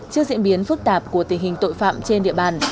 trước diễn biến phức tạp của tình hình tội phạm trên địa bàn